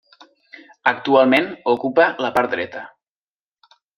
Actualment ocupa la part dreta.